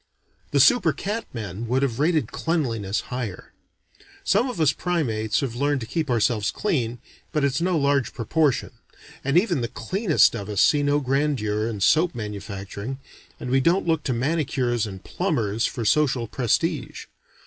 The super cat men would have rated cleanliness higher. Some of us primates have learned to keep ourselves clean, but it's no large proportion; and even the cleanest of us see no grandeur in soap manufacturing, and we don't look to manicures and plumbers for social prestige.